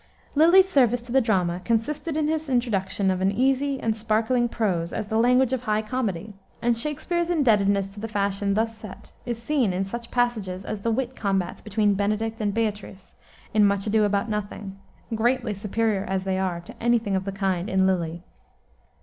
Lyly's service to the drama consisted in his introduction of an easy and sparkling prose as the language of high comedy, and Shakspere's indebtedness to the fashion thus set is seen in such passages as the wit combats between Benedict and Beatrice in Much Ado about Nothing, greatly superior as they are to any thing of the kind in Lyly.